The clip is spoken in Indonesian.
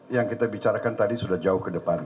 yang kita bicarakan tadi sudah jauh ke depan